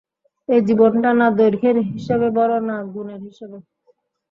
এ জীবনটা না দৈর্ঘ্যের হিসাবে বড়ো, না গুণের হিসাবে।